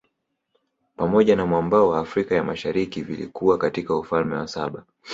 Pamoja na mwambao wa Afrika ya Mashariki vilikuwa katika Ufalme wa saba